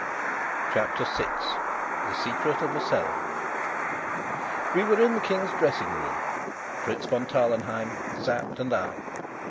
CHAPTER 6 The Secret of a Cellar We were in the King's dressing room Fritz von Tarlenheim, Sapt, and I.